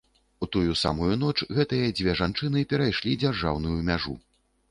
У тую самую ноч гэтыя дзве жанчыны перайшлі дзяржаўную мяжу.